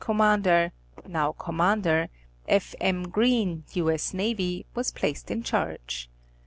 Commander (now Commander), F. M. Green, U. 8. N. was placed in charge.